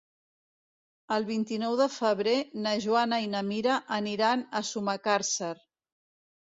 El vint-i-nou de febrer na Joana i na Mira aniran a Sumacàrcer.